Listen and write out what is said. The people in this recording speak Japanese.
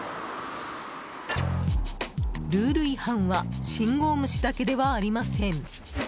ルール違反は信号無視だけではありません。